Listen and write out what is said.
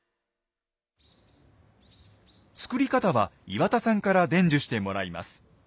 作り方は岩田さんから伝授してもらいます。